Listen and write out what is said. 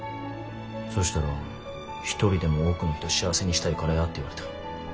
そしたら一人でも多くの人幸せにしたいからやって言われた。